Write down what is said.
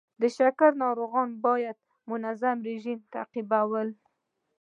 د شکر ناروغان باید منظم رژیم تعقیبول.